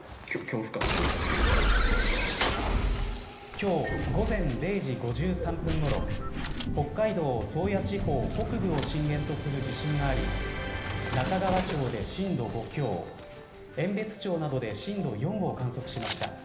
今日午前０時５３分ごろ北海道宗谷地方北部を震源とする地震があり中川町で震度５強遠別町などで震度４を観測しました。